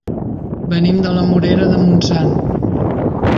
Venim de la Morera de Montsant.